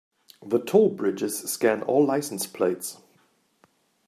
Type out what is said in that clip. The toll bridges scan all license plates.